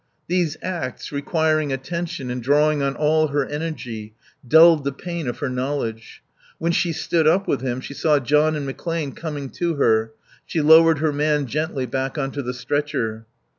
These acts, requiring attention and drawing on all her energy, dulled the pain of her knowledge. When she stood up with him she saw John and McClane coming to her. She lowered her man gently back on to the stretcher.